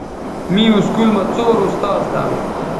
می اسکول مہ څور استاذ تھہ